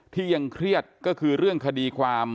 ที่ยังเครียดก็คือเรื่องคดีความ